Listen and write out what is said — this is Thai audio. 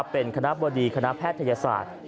เป็นคณะบดีคณะแพทยศาสตร์